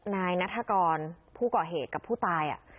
นายนัฐกรผู้ก่อเหตุกับผู้ตาย